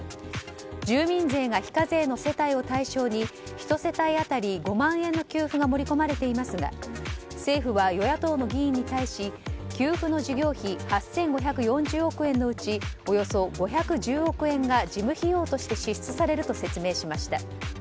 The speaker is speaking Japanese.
住民税が非課税の世帯を対象に１世帯当たり５万円の給付が盛り込まれていますが政府は与野党の議員に対し給付の事業費８５４０億円のうちおよそ５１０億円が事務費用として支出されると説明しました。